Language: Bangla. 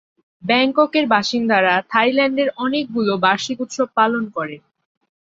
ব্যাংককের বাসিন্দারা থাইল্যান্ডের অনেকগুলো বার্ষিক উৎসব পালন করে।